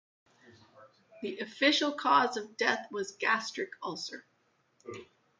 The official cause of death was gastric ulcer.